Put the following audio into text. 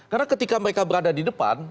karena ketika mereka berada di depan